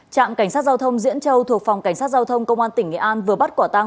trạm cảnh sát giao thông diễn châu thuộc phòng cảnh sát giao thông công an tỉnh nghệ an vừa bắt quả tăng